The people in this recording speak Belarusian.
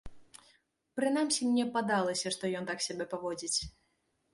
Прынамсі, мне падалася, што ён так сябе паводзіць.